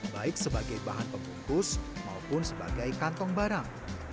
baik sebagai bahan pembungkus maupun sebagai kantong barang